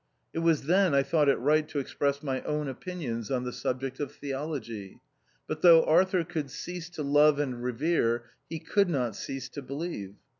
It was then I thought it right to express my own opinions on the subject of theology. But though Arthur could cease to love and revere, he could not cease to believe.